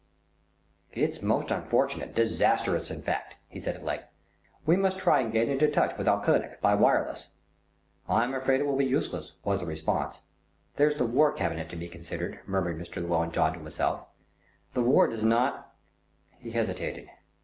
"It's most unfortunate, disastrous in fact," he said at length. "We must try and get into touch with Auchinlech by wireless." "I'm afraid it will be useless," was the response. "There's the War Cabinet to be considered," murmured Mr. Llewellyn John to himself. "The war does not " He hesitated.